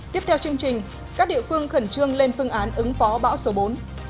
tiếp theo chương trình các địa phương khẩn trương lên phương án ứng phó bão số bốn